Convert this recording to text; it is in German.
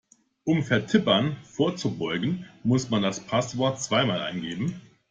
Um Vertippern vorzubeugen, muss man das Passwort zweimal eingeben.